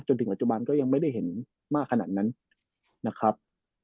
ถึงปัจจุบันก็ยังไม่ได้เห็นมากขนาดนั้นนะครับ